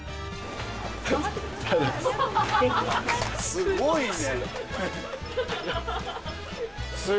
すごいね。